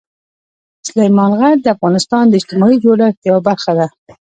سلیمان غر د افغانستان د اجتماعي جوړښت یوه برخه ده.